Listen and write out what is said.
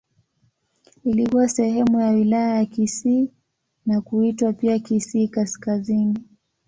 Ilikuwa sehemu ya Wilaya ya Kisii na kuitwa pia Kisii Kaskazini.